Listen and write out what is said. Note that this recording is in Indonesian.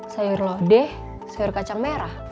sayur lodeh sayur kacang merah